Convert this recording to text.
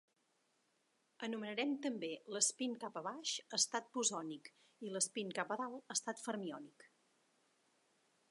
Anomenarem també l"espín cap a baix "estat bosònic" i l"espín cap a dalt "estat fermiònic".